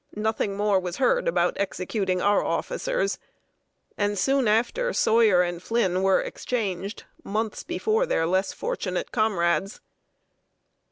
Nothing more was heard about executing our officers; and soon after, Sawyer and Flynn were exchanged, months before their less fortunate comrades.